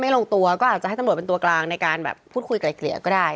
ลงตัวก็อาจจะให้ตำรวจเป็นตัวกลางในการแบบพูดคุยไกลเกลี่ยก็ได้